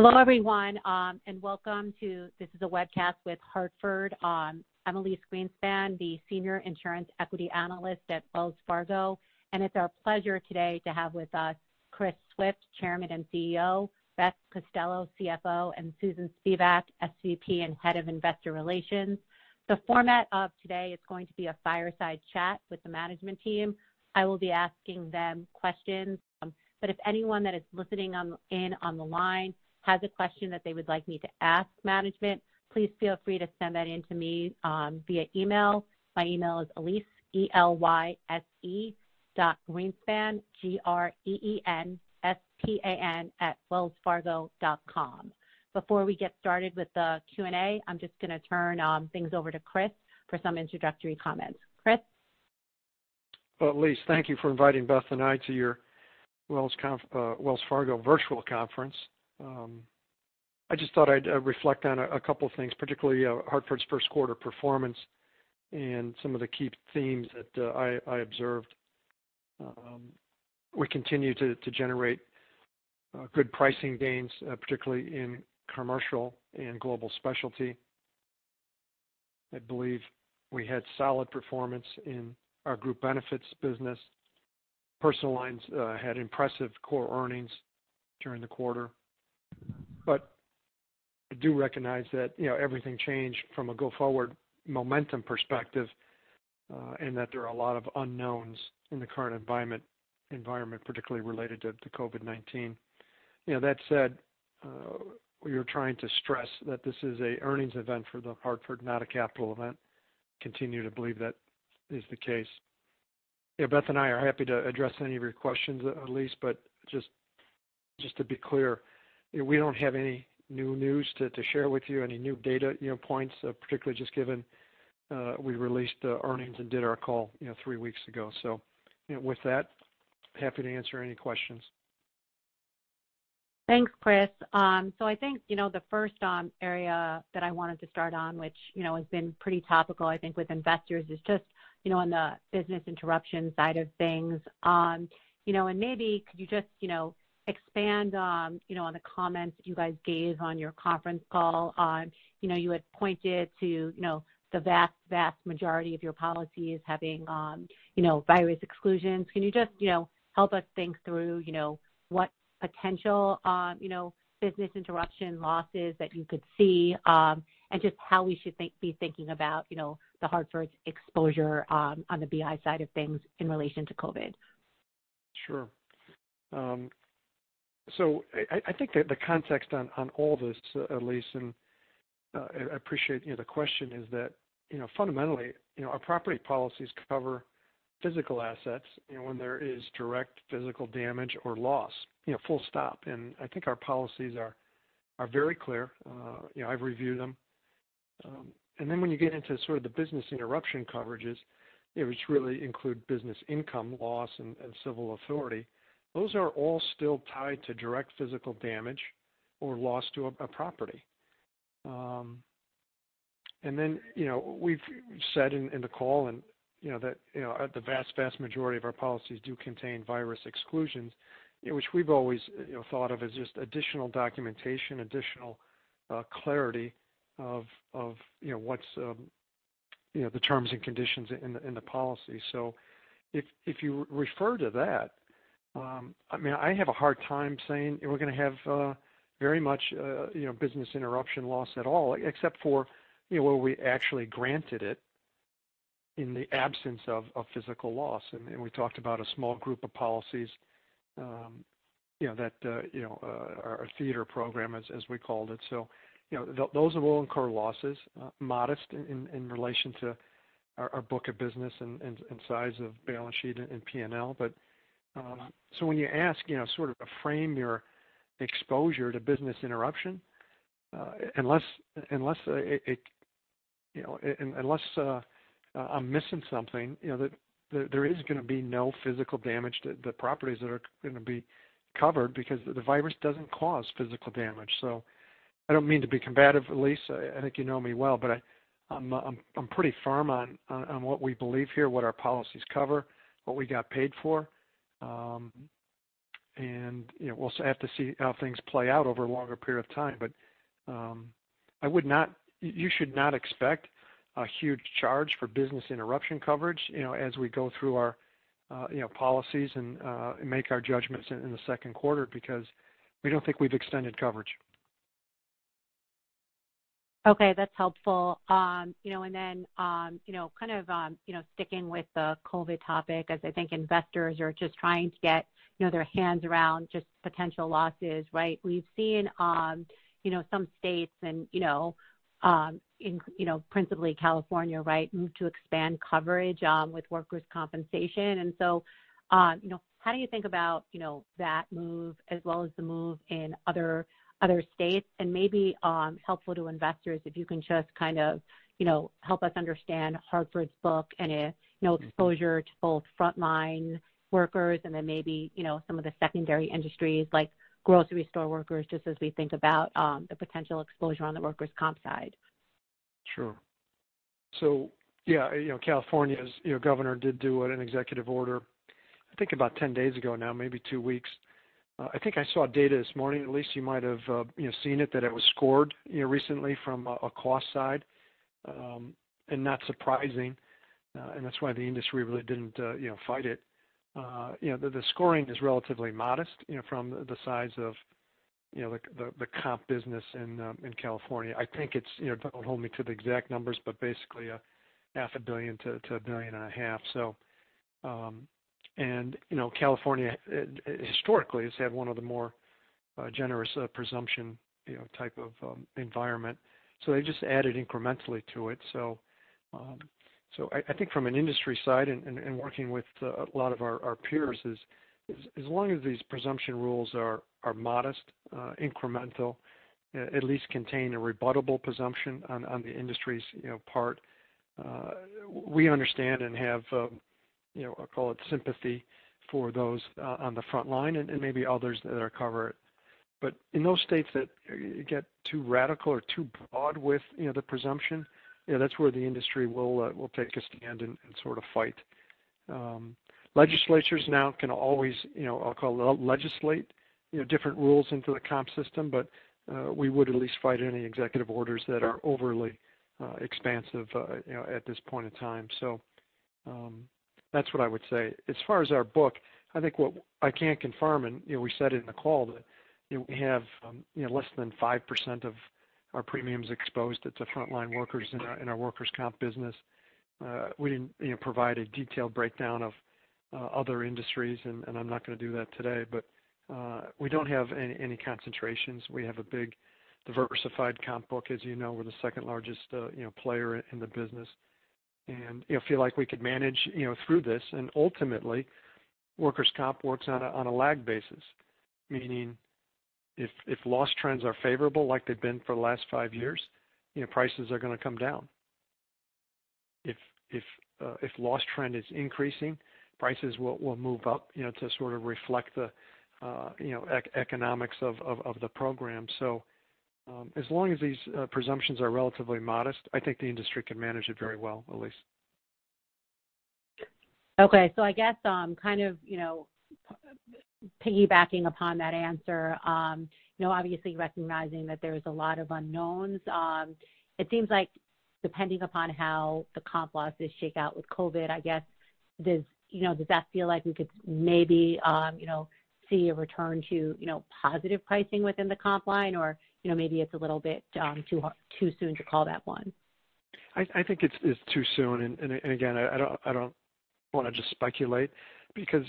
Hello everyone, welcome to this webcast with The Hartford. I'm Elyse Greenspan, the Senior Insurance Equity Analyst at Wells Fargo. It's our pleasure today to have with us Chris Swift, Chairman and CEO, Beth Costello, CFO, and Susan Spivak, SVP and Head of Investor Relations. The format of today is going to be a fireside chat with the management team. I will be asking them questions. If anyone that is listening in on the line has a question that they would like me to ask management, please feel free to send that in to me via email. My email is Elyse, E-L-Y-S-E, .greenspan, G-R-E-E-N-S-P-A-N, @wellsfargo.com. Before we get started with the Q&A, I'm just going to turn things over to Chris for some introductory comments. Chris? Elyse, thank you for inviting Beth and I to your Wells Fargo Virtual Conference. I just thought I'd reflect on a couple of things, particularly The Hartford's first quarter performance and some of the key themes that I observed. We continue to generate good pricing gains, particularly in commercial and global specialty. I believe we had solid performance in our group benefits business. personal lines had impressive core earnings during the quarter. I do recognize that everything changed from a go-forward momentum perspective, in that there are a lot of unknowns in the current environment, particularly related to COVID-19. That said, we are trying to stress that this is an earnings event for The Hartford, not a capital event. Continue to believe that is the case. Beth and I are happy to address any of your questions, Elyse. Just to be clear, we don't have any new news to share with you, any new data points, particularly just given we released the earnings and did our call three weeks ago. With that, happy to answer any questions. Thanks, Chris. I think the first area that I wanted to start on, which has been pretty topical, I think, with investors, is just on the business interruption side of things. Maybe could you just expand on the comments that you guys gave on your conference call on, you had pointed to the vast majority of your policies having virus exclusions. Can you just help us think through what potential business interruption losses that you could see, and just how we should be thinking about The Hartford's exposure on the BI side of things in relation to COVID? Sure. I think that the context on all this, Elyse, and I appreciate the question is that, fundamentally, our property policies cover physical assets when there is direct physical damage or loss, full stop. I think our policies are very clear. I've reviewed them. When you get into sort of the business interruption coverages, which really include business income loss and civil authority, those are all still tied to direct physical damage or loss to a property. We've said in the call that the vast majority of our policies do contain virus exclusions, which we've always thought of as just additional documentation, additional clarity of the terms and conditions in the policy. If you refer to that, I have a hard time saying we're going to have very much business interruption loss at all except for where we actually granted it in the absence of a physical loss. We talked about a small group of policies that our theater program, as we called it. Those will incur losses, modest in relation to our book of business and size of balance sheet and P&L. When you ask sort of to frame your exposure to business interruption, unless I'm missing something, there is going to be no physical damage to the properties that are going to be covered because the virus doesn't cause physical damage. I don't mean to be combative, Elyse, I think you know me well, but I'm pretty firm on what we believe here, what our policies cover, what we got paid for. We'll have to see how things play out over a longer period of time. You should not expect a huge charge for business interruption coverage as we go through our policies and make our judgments in the second quarter, because we don't think we've extended coverage. Okay, that's helpful. Sticking with the COVID topic, as I think investors are just trying to get their hands around just potential losses, right? We've seen some states and principally California, right, move to expand coverage with workers' compensation. How do you think about that move as well as the move in other states and maybe helpful to investors if you can just kind of help us understand Hartford's book and exposure to both frontline workers and then maybe some of the secondary industries like grocery store workers, just as we think about the potential exposure on the workers' comp side. Sure. Yeah, California's governor did do an executive order, I think about 10 days ago now, maybe 2 weeks. I think I saw data this morning, Elyse, you might have seen it, that it was scored recently from a cost side. Not surprising, and that's why the industry really didn't fight it. The scoring is relatively modest from the size of the comp business in California. I think it's, don't hold me to the exact numbers, but basically a half a billion to a billion and a half. California, historically, has had one of the more generous presumption type of environment. They just added incrementally to it. I think from an industry side and working with a lot of our peers is, as long as these presumption rules are modest, incremental, at least contain a rebuttable presumption on the industry's part. We understand and have, I'll call it sympathy for those on the front line and maybe others that are covered. In those states that get too radical or too broad with the presumption, that's where the industry will take a stand and sort of fight. Legislatures now can always, I'll call it legislate different rules into the comp system, but we would at least fight any executive orders that are overly expansive at this point in time. That's what I would say. As far as our book, I think what I can confirm, and we said it in the call, that we have less than 5% of our premiums exposed to frontline workers in our workers' comp business. We didn't provide a detailed breakdown of other industries, and I'm not going to do that today, but we don't have any concentrations. We have a big diversified comp book. As you know, we're the second largest player in the business, and feel like we could manage through this. Ultimately, workers' comp works on a lag basis, meaning if loss trends are favorable like they've been for the last five years, prices are going to come down. If loss trend is increasing, prices will move up to sort of reflect the economics of the program. As long as these presumptions are relatively modest, I think the industry can manage it very well, Elyse. Okay. I guess, kind of piggybacking upon that answer, obviously recognizing that there's a lot of unknowns, it seems like depending upon how the comp losses shake out with COVID, I guess, does that feel like we could maybe see a return to positive pricing within the comp line? Maybe it's a little bit too soon to call that one. I think it's too soon, again, I don't want to just speculate because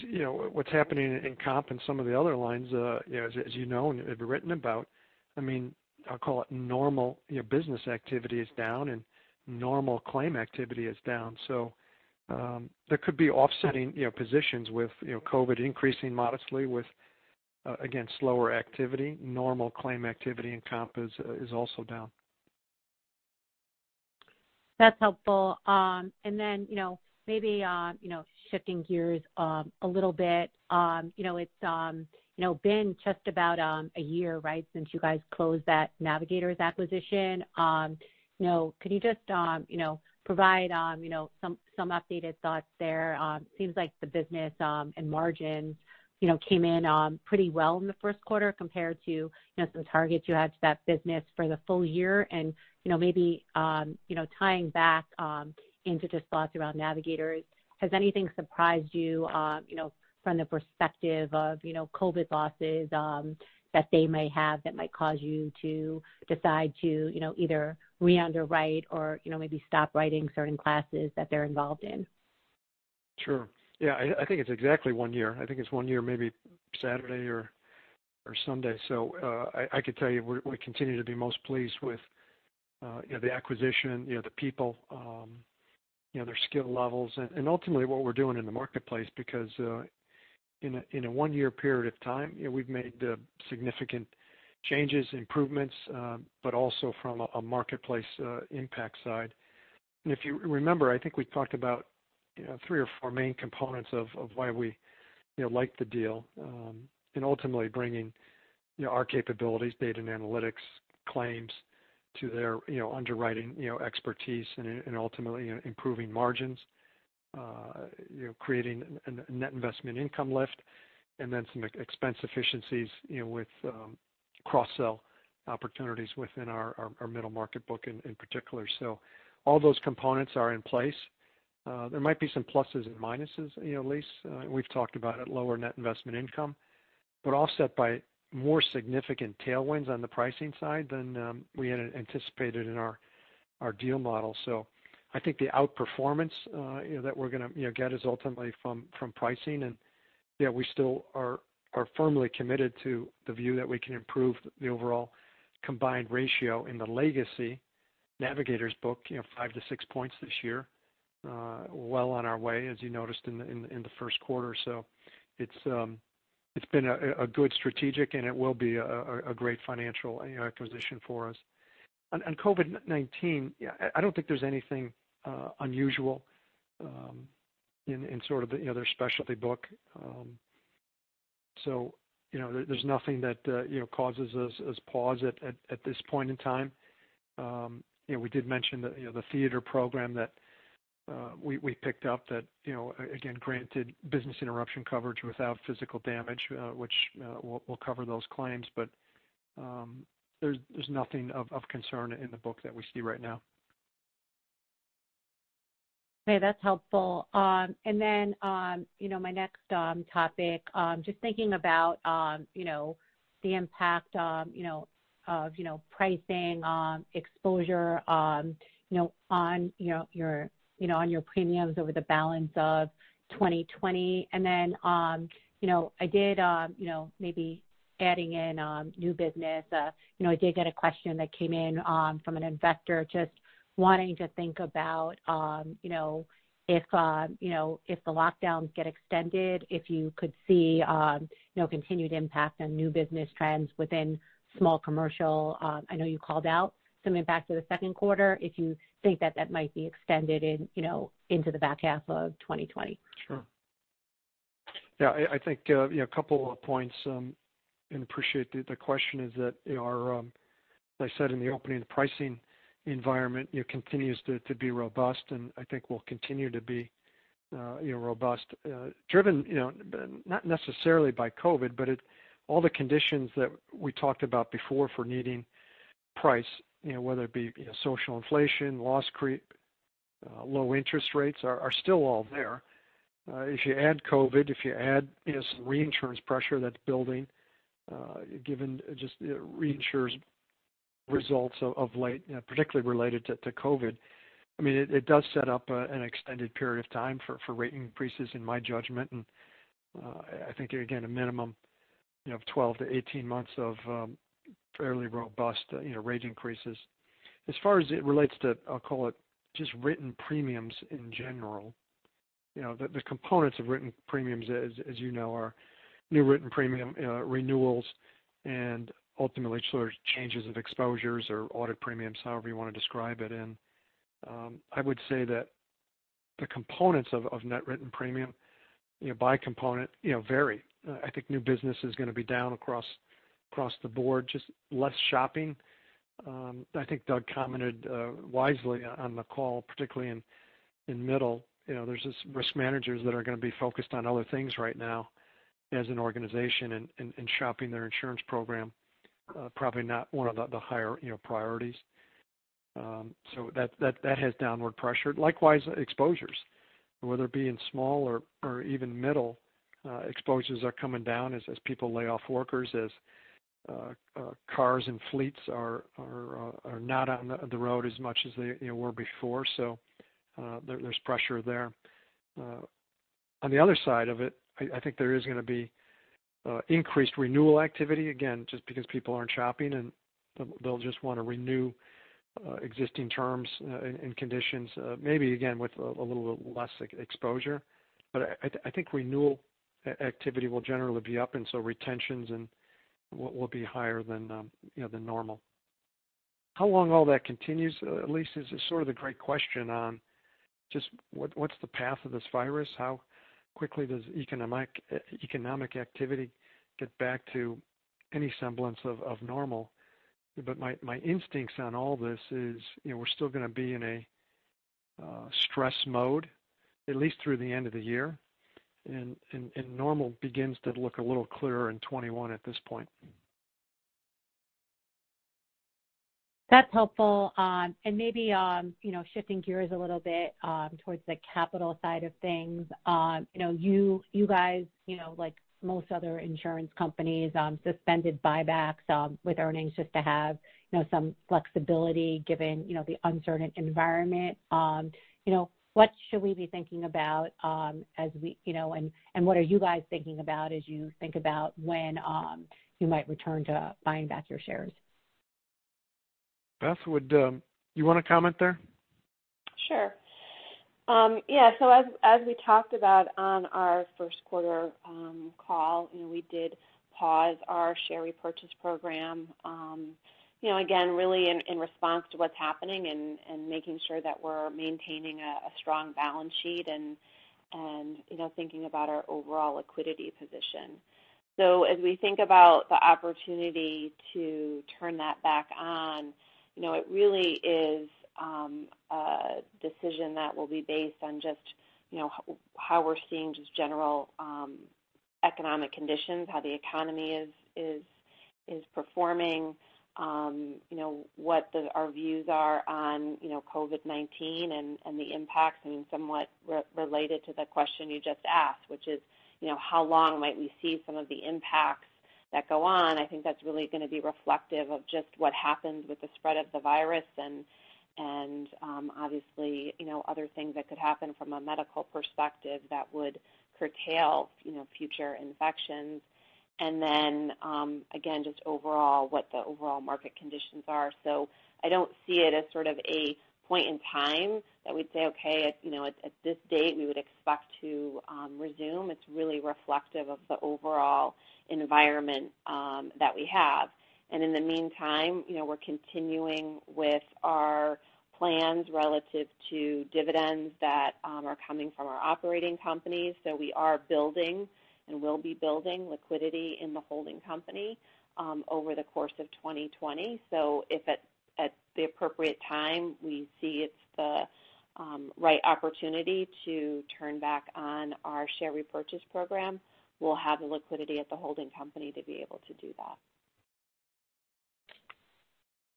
what's happening in comp and some of the other lines, as you know and have been written about, I'll call it normal business activity is down and normal claim activity is down. There could be offsetting positions with COVID increasing modestly with, again, slower activity. Normal claim activity in comp is also down. That's helpful. Then maybe shifting gears a little bit. It's been just about a year, right, since you guys closed that Navigators acquisition. Could you just provide some updated thoughts there? Seems like the business and margins came in pretty well in the first quarter compared to some targets you had to that business for the full year. Maybe tying back into just thoughts around Navigators, has anything surprised you from the perspective of COVID losses that they may have that might cause you to decide to either re-underwrite or maybe stop writing certain classes that they're involved in? Sure. Yeah, I think it's exactly one year. I think it's one year, maybe Saturday or Sunday. I could tell you, we continue to be most pleased with the acquisition, the people, their skill levels, and ultimately what we're doing in the marketplace because, in a one-year period of time, we've made significant changes, improvements, but also from a marketplace impact side. If you remember, I think we talked about three or four main components of why we liked the deal. Ultimately bringing our capabilities, data and analytics claims to their underwriting expertise and ultimately improving margins, creating a net investment income lift, and then some expense efficiencies with cross-sell opportunities within our middle market book in particular. All those components are in place. There might be some pluses and minuses, Elyse. We've talked about lower net investment income, offset by more significant tailwinds on the pricing side than we had anticipated in our deal model. I think the outperformance that we're going to get is ultimately from pricing, and we still are firmly committed to the view that we can improve the overall combined ratio in the legacy Navigators book five to six points this year. Well on our way, as you noticed in the first quarter. It's been a good strategic, and it will be a great financial acquisition for us. On COVID-19, I don't think there's anything unusual in sort of their specialty book. There's nothing that causes us pause at this point in time. We did mention the theater program that we picked up that, again, granted business interruption coverage without physical damage, which we'll cover those claims. There is nothing of concern in the book that we see right now. Okay, that is helpful. My next topic, just thinking about the impact of pricing exposure on your premiums over the balance of 2020. I did, maybe adding in new business, I did get a question that came in from an investor just wanting to think about if the lockdowns get extended, if you could see continued impact on new business trends within Small Commercial. I know you called out some impact to the second quarter, if you think that that might be extended into the back half of 2020. Sure. Yeah, I think a couple of points, appreciate the question is that as I said in the opening, the pricing environment continues to be robust and I think will continue to be robust. Driven not necessarily by COVID, but all the conditions that we talked about before for needing price, whether it be Social Inflation, Loss Creep, low interest rates, are still all there. If you add COVID, if you add some reinsurance pressure that is building, given just reinsurers' results of late, particularly related to COVID, it does set up an extended period of time for rate increases in my judgment, I think, again, a minimum of 12-18 months of fairly robust rate increases. As far as it relates to, I will call it just written premiums in general, the components of written premiums, as you know, are new written premium renewals and ultimately changes of exposures or Audit Premiums, however you want to describe it. I would say that the components of Net Written Premium, by component, vary. I think new business is going to be down across the board, just less shopping. I think Doug commented wisely on the call, particularly in Middle. There is risk managers that are going to be focused on other things right now as an organization, shopping their insurance program, probably not one of the higher priorities. That has downward pressure. Likewise, exposures, whether it be in Small or even Middle, exposures are coming down as people lay off workers, as cars and fleets are not on the road as much as they were before. There's pressure there. On the other side of it, I think there is going to be increased renewal activity, again, just because people aren't shopping, and they'll just want to renew existing terms and conditions, maybe, again, with a little less exposure. I think renewal activity will generally be up, and so retentions will be higher than normal. How long all that continues, Elyse, is the great question on just what's the path of this virus? How quickly does economic activity get back to any semblance of normal? My instincts on all this is we're still going to be in a stress mode at least through the end of the year, and normal begins to look a little clearer in 2021 at this point. That's helpful. Maybe shifting gears a little bit towards the capital side of things. You guys, like most other insurance companies, suspended buybacks with earnings just to have some flexibility given the uncertain environment. What should we be thinking about, and what are you guys thinking about as you think about when you might return to buying back your shares? Beth, you want to comment there? Sure. As we talked about on our first quarter call, we did pause our share repurchase program, again, really in response to what's happening and making sure that we're maintaining a strong balance sheet and thinking about our overall liquidity position. As we think about the opportunity to turn that back on, it really is a decision that will be based on just how we're seeing just general economic conditions, how the economy is performing, what our views are on COVID-19 and the impacts. I mean, somewhat related to the question you just asked, which is how long might we see some of the impacts that go on, I think that's really going to be reflective of just what happens with the spread of the virus and obviously other things that could happen from a medical perspective that would curtail future infections. Again, just what the overall market conditions are. I don't see it as sort of a point in time that we'd say, okay, at this date, we would expect to resume. It's really reflective of the overall environment that we have. In the meantime, we're continuing with our plans relative to dividends that are coming from our operating companies. We are building and will be building liquidity in the holding company over the course of 2020. If at the appropriate time we see it's the right opportunity to turn back on our share repurchase program, we'll have the liquidity at the holding company to be able to do that.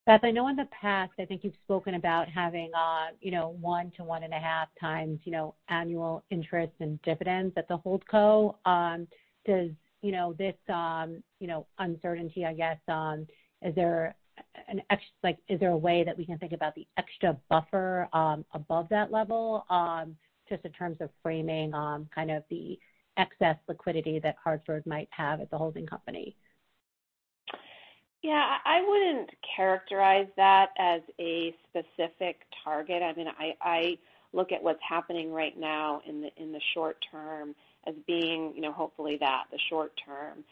Beth, I know in the past, I think you've spoken about having one to one and a half times annual interest and dividends at the holdco. Does this uncertainty, I guess, is there a way that we can think about the extra buffer above that level? Just in terms of framing the excess liquidity that Hartford might have at the holding company. Yeah. I wouldn't characterize that as a specific target. I look at what's happening right now in the short term as being hopefully that, the short term.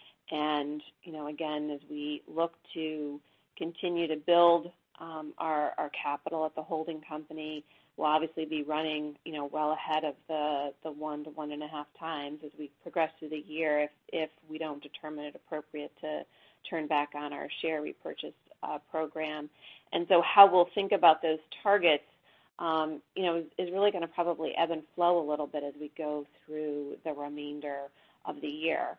Again, as we look to continue to build our capital at the holding company, we'll obviously be running well ahead of the one to one and a half times as we progress through the year if we don't determine it appropriate to turn back on our share repurchase program. How we'll think about those targets is really going to probably ebb and flow a little bit as we go through the remainder of the year.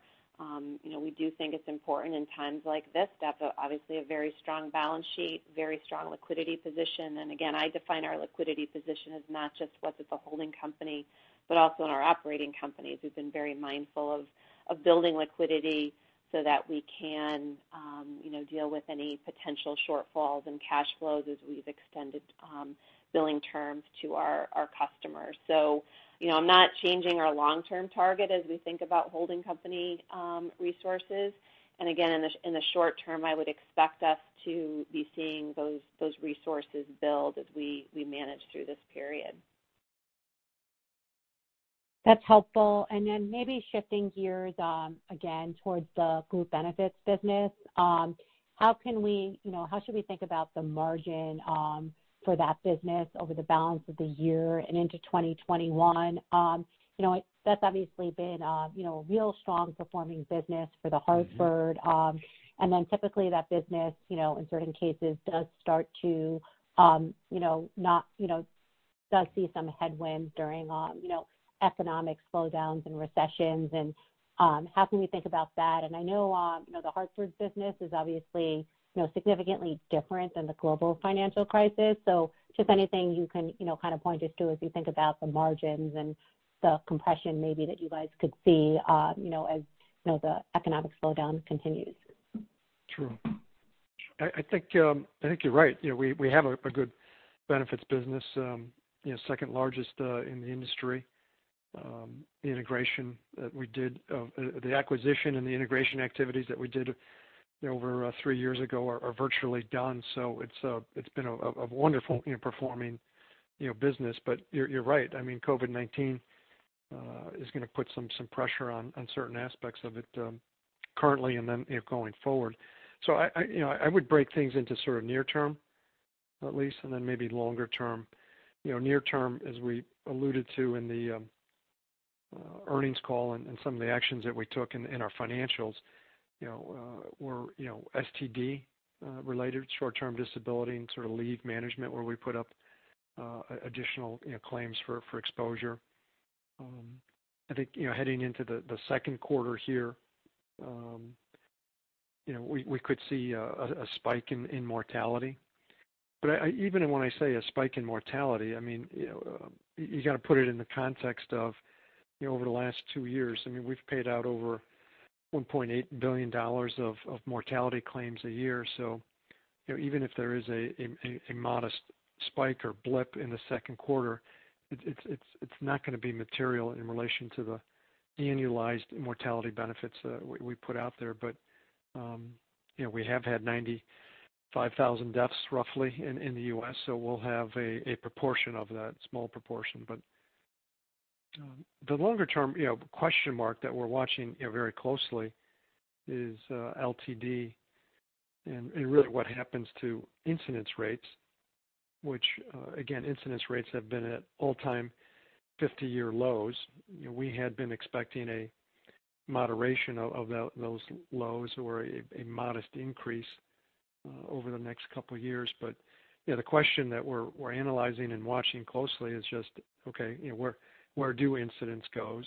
We do think it's important in times like this that obviously a very strong balance sheet, very strong liquidity position. Again, I define our liquidity position as not just what's at the holding company, but also in our operating companies. We've been very mindful of building liquidity so that we can deal with any potential shortfalls in cash flows as we've extended billing terms to our customers. I'm not changing our long-term target as we think about holding company resources. Again, in the short term, I would expect us to be seeing those resources build as we manage through this period. That's helpful. Maybe shifting gears, again, towards the group benefits business. How should we think about the margin for that business over the balance of the year and into 2021? That's obviously been a real strong performing business for The Hartford. Typically that business, in certain cases, does see some headwinds during economic slowdowns and recessions, and how can we think about that? I know The Hartford business is obviously significantly different than the global financial crisis. Just anything you can kind of point us to as we think about the margins and the compression maybe that you guys could see as the economic slowdown continues. True. I think you're right. We have a group benefits business, second largest in the industry. The acquisition and the integration activities that we did over three years ago are virtually done. It's been a wonderful performing business. You're right, COVID-19 is going to put some pressure on certain aspects of it currently and then going forward. I would break things into sort of near term, at least, and then maybe longer term. Near term, as we alluded to in the earnings call and some of the actions that we took in our financials, were STD-related, short-term disability and sort of leave management where we put up additional claims for exposure. I think, heading into the second quarter here, we could see a spike in mortality. Even when I say a spike in mortality, you got to put it in the context of over the last two years, we've paid out over $1.8 billion of mortality claims a year. Even if there is a modest spike or blip in the second quarter, it's not going to be material in relation to the annualized mortality benefits that we put out there. We have had 95,000 deaths roughly in the U.S., so we'll have a proportion of that, small proportion. The longer-term question mark that we're watching very closely is LTD, and really what happens to incidence rates, which again, incidence rates have been at all-time 50-year lows. We had been expecting a moderation of those lows or a modest increase over the next couple of years. The question that we're analyzing and watching closely is just, okay, where do incidence goes?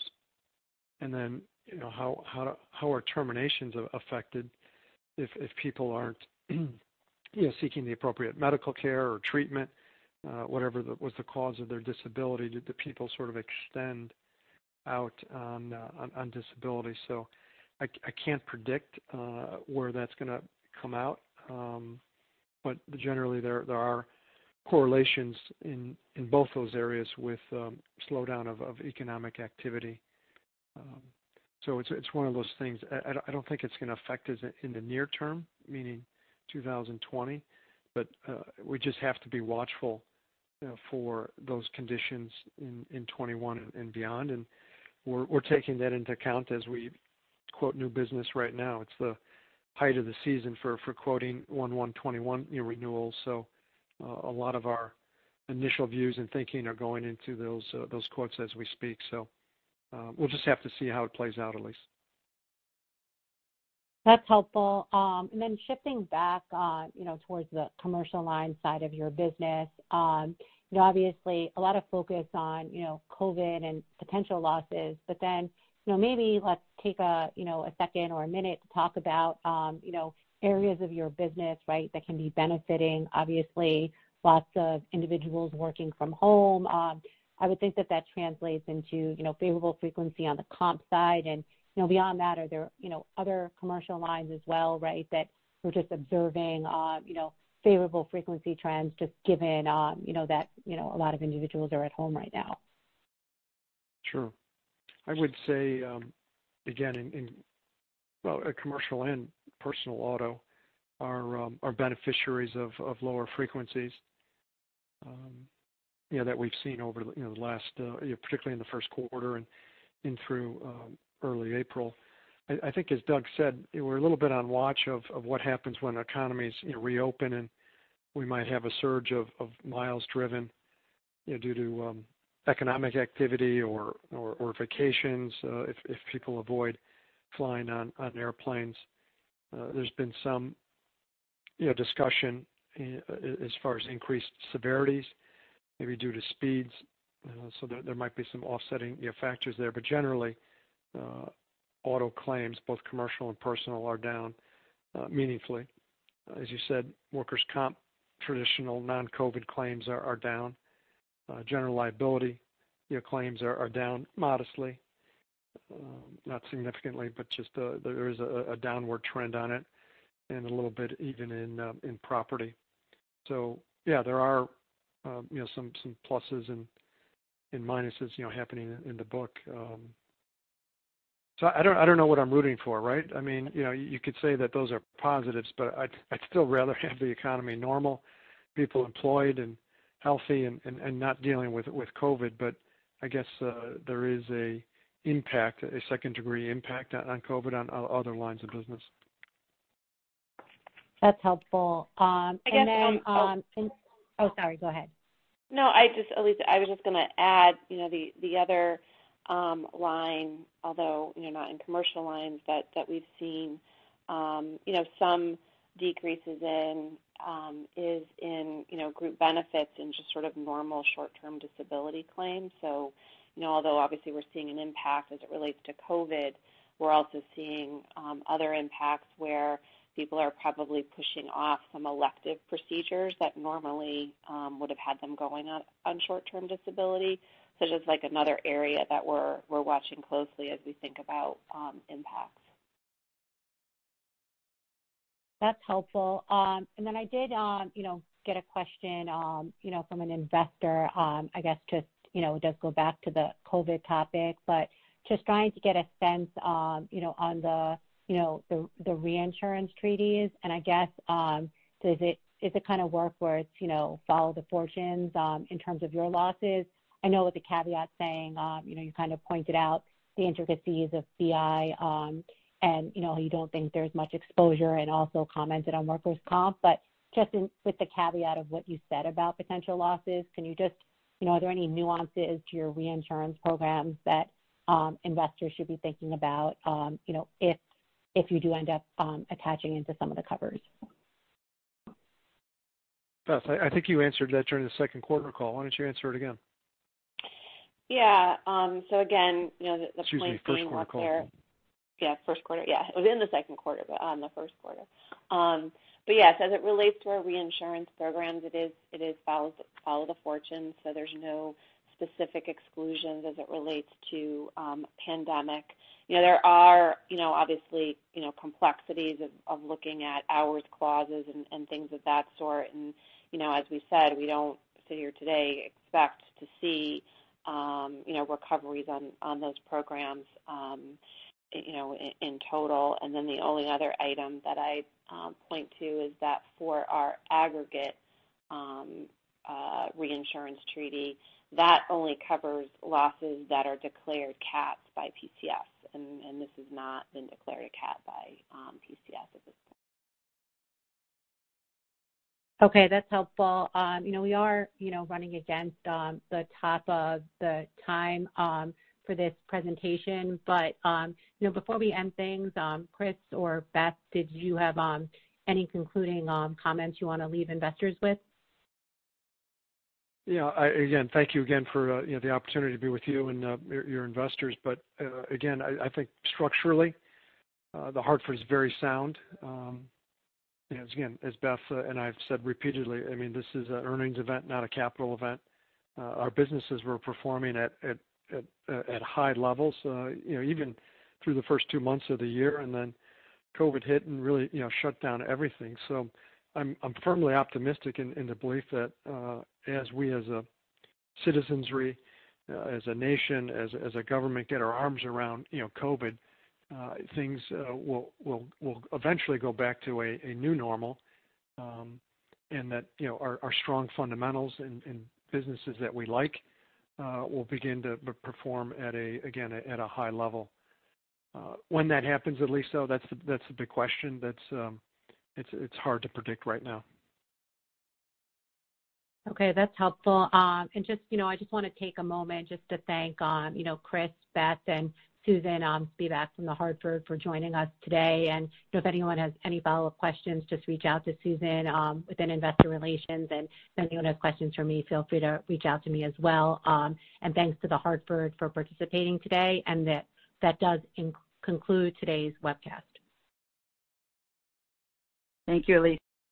How are terminations affected if people aren't seeking the appropriate medical care or treatment, whatever was the cause of their disability? Do people sort of extend out on disability? I can't predict where that's going to come out. Generally, there are correlations in both those areas with slowdown of economic activity. It's one of those things. I don't think it's going to affect us in the near term, meaning 2020. We just have to be watchful for those conditions in 2021 and beyond, and we're taking that into account as we quote new business right now. It's the height of the season for quoting 1/1/2021 renewals, so a lot of our initial views and thinking are going into those quotes as we speak. We'll just have to see how it plays out, Elyse. That's helpful. Shifting back on towards the commercial lines side of your business. Obviously, a lot of focus on COVID-19 and potential losses, maybe let's take a second or a minute to talk about areas of your business that can be benefiting. Obviously, lots of individuals working from home. I would think that that translates into favorable frequency on the comp side and beyond that, are there other commercial lines as well that we're just observing favorable frequency trends just given that a lot of individuals are at home right now? Sure. I would say, again, in commercial and personal auto are beneficiaries of lower frequencies that we've seen over the last, particularly in the first quarter and in through early April. I think as Doug said, we're a little bit on watch of what happens when economies reopen, and we might have a surge of miles driven due to economic activity or vacations if people avoid flying on airplanes. There's been some discussion as far as increased severities, maybe due to speeds. There might be some offsetting factors there. Generally, auto claims, both commercial and personal, are down meaningfully. As you said, workers' comp, traditional non-COVID-19 claims are down. General liability claims are down modestly. Not significantly, but just there is a downward trend on it, and a little bit even in property. Yeah, there are some pluses and minuses happening in the book. I don't know what I'm rooting for, right? You could say that those are positives, I'd still rather have the economy normal, people employed and healthy and not dealing with COVID-19. I guess there is an impact, a second-degree impact on COVID-19 on other lines of business. That's helpful. Again- Oh, sorry, go ahead. No, Elyse, I was just going to add, the other line, although not in commercial, that we've seen some decreases in is in group benefits and just sort of normal short-term disability claims. Although obviously we're seeing an impact as it relates to COVID, we're also seeing other impacts where people are probably pushing off some elective procedures that normally would've had them going on short-term disability. Just like another area that we're watching closely as we think about impacts. That's helpful. Then I did get a question from an investor, I guess just does go back to the COVID topic, but just trying to get a sense on the reinsurance treaties, and I guess, does it kind of work where it's follow the fortunes in terms of your losses? I know with the caveat saying you kind of pointed out the intricacies of BI and how you don't think there's much exposure and also commented on workers' comp, but just with the caveat of what you said about potential losses, are there any nuances to your reinsurance programs that investors should be thinking about if you do end up attaching into some of the covers? Beth, I think you answered that during the second quarter call. Why don't you answer it again? Yeah. Again, the point being out there. Excuse me, first quarter call. Yeah, first quarter. Yeah. It was in the second quarter, on the first quarter. Yes, as it relates to our reinsurance programs, it is follow the fortunes, there's no specific exclusions as it relates to pandemic. There are obviously complexities of looking at hours clause and things of that sort, as we said, we don't sit here today expect to see recoveries on those programs in total. The only other item that I point to is that for our aggregate reinsurance treaty, that only covers losses that are declared CATs by PCS, and this has not been declared a CAT by PCS at this point. Okay, that's helpful. We are running against the top of the time for this presentation, before we end things, Chris or Beth, did you have any concluding comments you want to leave investors with? Yeah. Thank you again for the opportunity to be with you and your investors. Again, I think structurally, The Hartford is very sound. As Beth and I have said repeatedly, this is an earnings event, not a capital event. Our businesses were performing at high levels even through the first two months of the year, then COVID hit and really shut down everything. I'm firmly optimistic in the belief that as we as a citizenry, as a nation, as a government, get our arms around COVID, things will eventually go back to a new normal, and that our strong fundamentals in businesses that we like will begin to perform, again, at a high level. When that happens, Elyse, though, that's the big question. It's hard to predict right now. Okay, that's helpful. I just want to take a moment just to thank Chris, Beth, and Susan Spivak from The Hartford for joining us today. If anyone has any follow-up questions, just reach out to Susan within investor relations. If anyone has questions for me, feel free to reach out to me as well. Thanks to The Hartford for participating today, that does conclude today's webcast. Thank you, Elyse